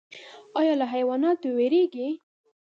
ایا له حیواناتو ویریږئ؟